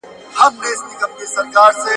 د هغه په شاعرۍ کې د ژوند هره زاویه په نښه شوې ده.